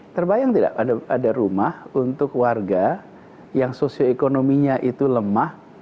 terbayang tidak ada rumah untuk warga yang sosioekonominya itu lemah